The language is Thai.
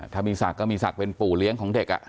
ถ้ามีศักดิ์ก็มีศักดิ์เป็นปู่เลี้ยงของเด็ก